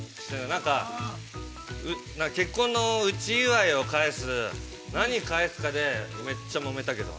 なんか結婚の内祝いを返す、何返すかで、めっちゃもめたけど。